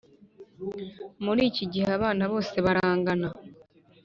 muri iki gihe abana bose barangana